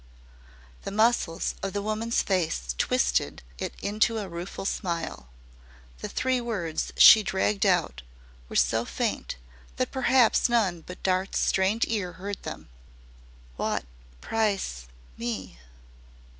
The muscles of the woman's face twisted it into a rueful smile. The three words she dragged out were so faint that perhaps none but Dart's strained ears heard them. "Wot price ME?"